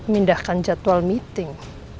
mindahkan jadwal meeting